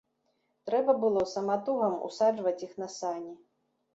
Трэба было саматугам усаджваць іх на сані.